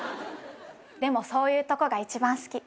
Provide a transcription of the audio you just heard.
でもそういうとこが一番好き。